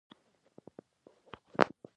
په دې مراسمو کې د افغانستان د خلکو تاريخي ګډون.